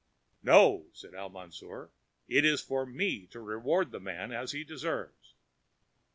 "No," said Al Mansour, "it is for me to reward the man as he deserves."